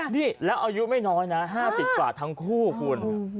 นี่แล้วอายุไม่น้อยนะ๕๐กว่าทั้งคู่คุณ